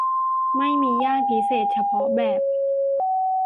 ไม่มีย่านพิเศษเฉพาะแบบ